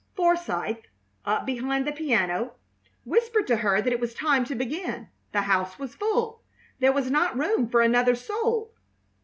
Forsythe, up behind the piano, whispered to her that it was time to begin. The house was full. There was not room for another soul.